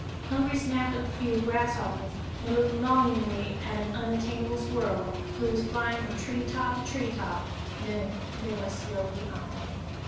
Hungry snapped up a few grasshoppers, and looked longingly at an unattainable squirrel, who was flying from tree top to tree top; then they went slowly on.